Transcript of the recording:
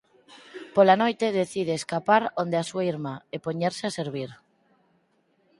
Pola noite decide escapar onde a súa irmá e poñerse a servir.